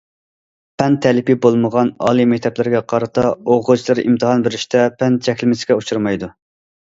پەن تەلىپى بولمىغان ئالىي مەكتەپلەرگە قارىتا، ئوقۇغۇچىلار ئىمتىھان بېرىشتە پەن چەكلىمىسىگە ئۇچرىمايدۇ.